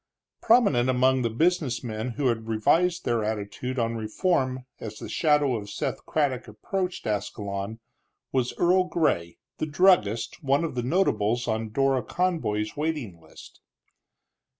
Prominent among the business men who had revised their attitude on reform as the shadow of Seth Craddock approached Ascalon was Earl Gray, the druggist, one of the notables on Dora Conboy's waiting list.